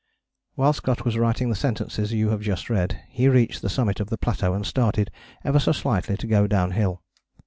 While Scott was writing the sentences you have just read, he reached the summit of the plateau and started, ever so slightly, to go downhill.